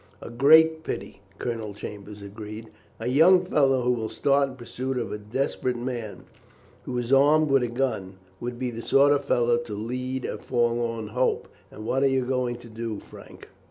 "A great pity," Colonel Chambers agreed. "A young fellow who will start in pursuit of a desperate man who is armed with a gun, would be the sort of fellow to lead a forlorn hope. And what are you going to do, Frank?"